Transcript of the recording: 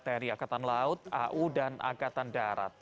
tri akatan laut au dan akatan darat